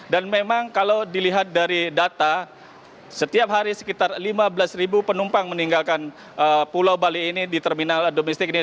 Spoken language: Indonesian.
dan memang kalau dilihat dari data setiap hari sekitar lima belas penumpang meninggalkan pulau bali ini di terminal domestik ini